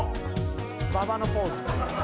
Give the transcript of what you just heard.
馬場のポーズ。